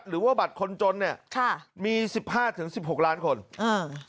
หรือว่าบัตรคนจนเนี่ยค่ะมีสิบห้าถึงสิบหกล้านคนอ่า